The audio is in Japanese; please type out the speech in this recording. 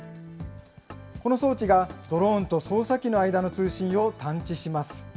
この装置が、ドローンと操作器の間の通信を探知します。